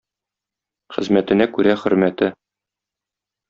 Хезмәтенә күрә хөрмәте.